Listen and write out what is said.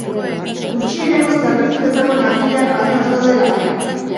Gutxieneko zerbitzuetako langileak baino ez daude lanean.